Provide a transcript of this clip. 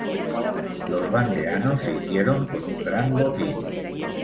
Los vandeanos se hicieron con un gran botín.